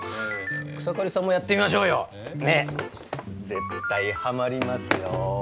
草刈さんもやってみましょうよ。ねえ絶対ハマりますよ。